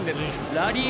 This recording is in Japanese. ラリー